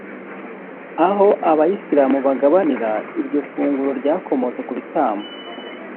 aho Abayisilamu bagabanira iryo funguro ryakomotse ku bitambo